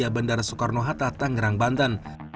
bandara soekarno hatta tangerang banten